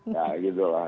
nah gitu lah